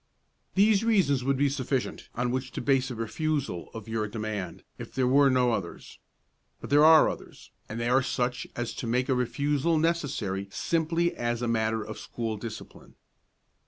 "These reasons would be sufficient on which to base a refusal of your demand if there were no others; but there are others, and they are such as to make a refusal necessary simply as a matter of school discipline.